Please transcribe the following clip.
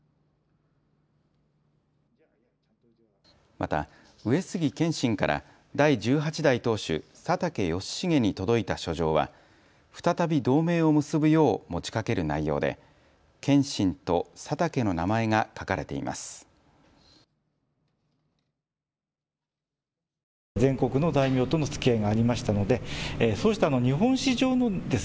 また上杉謙信から第１８代当主、佐竹義重に届いた書状は再び同盟を結ぶよう持ちかける内容で謙信と佐竹の名前が書かれています。